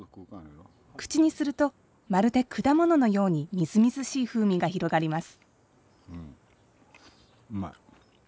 口にすると、まるで果物のようにみずみずしい風味が広がります。